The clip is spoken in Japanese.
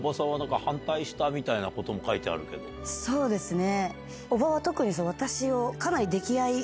そうですね。